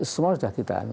semua sudah kita